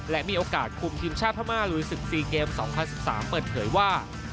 และมีโอกาสคุมทีมชาติพม่าลุยศึก๔เกม๒๐๑๓เปิดเผยว่า